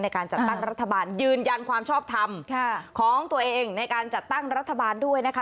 การจัดตั้งรัฐบาลยืนยันความชอบทำของตัวเองในการจัดตั้งรัฐบาลด้วยนะคะ